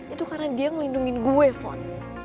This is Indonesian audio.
itu karena dia ngelindungin gue fon